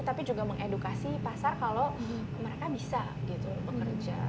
tapi juga mengedukasi pasar kalau mereka bisa gitu bekerja